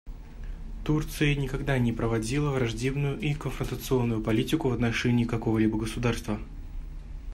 Турция никогда не проводила враждебную и конфронтационную политику в отношении какого-либо государства.